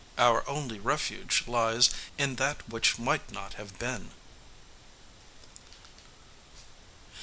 Our only refuge lies in that which might not have been.